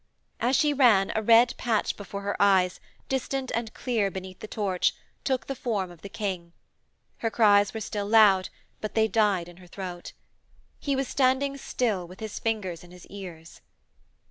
As she ran, a red patch before her eyes, distant and clear beneath the torch, took the form of the King. Her cries were still loud, but they died in her throat.... He was standing still with his fingers in his ears.